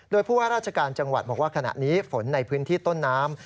โดยผู้ว่าราชการจังหวัดบอกว่าขณะนี้ฝนในพื้นที่ต้นน้ำ